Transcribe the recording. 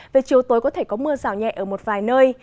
về chiều tối có thể có mưa rào nhẹ ở một vài nơi